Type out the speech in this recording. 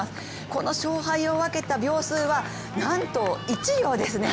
この勝敗を分けた秒数はなんと１秒ですね。